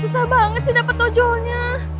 susah banget sih dapet tojolnya